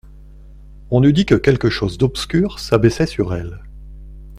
On eût dit que quelque chose d'obscur s'abaissait sur elle.